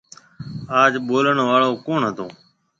آج ٻولڻ آݪو ڪوُڻ هتو۔